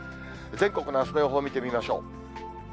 全国のあすの予報見てみましょう。